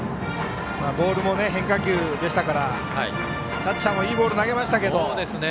ボールも変化球でしたからキャッチャーも、いいボールを投げましたけど。